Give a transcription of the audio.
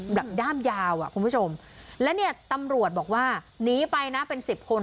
ด้ามยาวอ่ะคุณผู้ชมและเนี่ยตำรวจบอกว่าหนีไปนะเป็นสิบคน